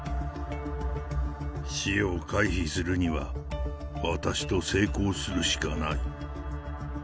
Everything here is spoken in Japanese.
死を回避するには、私と性交するしかない。